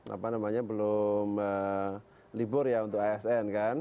apa namanya belum libur ya untuk asn kan